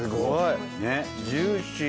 ねっジューシー。